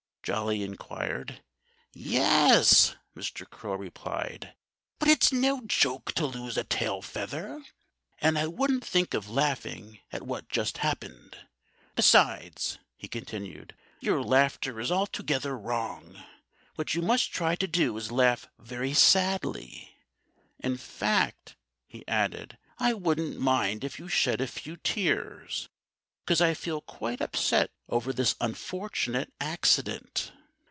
Jolly inquired. "Yes!" Mr. Crow replied. "But it's no joke to lose a tail feather. And I wouldn't think of laughing at what just happened.... Besides," he continued, "your laughter is altogether wrong. What you must try to do is to laugh very sadly. In fact," he added, "I wouldn't mind if you shed a few tears, because I feel quite upset over this unfortunate accident."